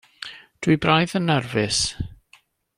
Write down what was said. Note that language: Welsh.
Dwi braidd yn nerfus.